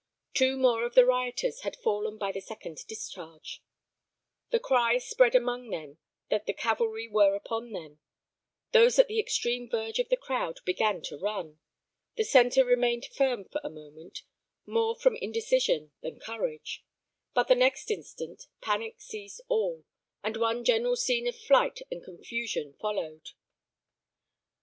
Two more of the rioters had fallen by the second discharge; the cry spread amongst them that the cavalry were upon them; those at the extreme verge of the crowd began to run; the centre remained firm for a moment, more from indecision than courage; but the next instant, panic seized all, and one general scene of flight and confusion followed.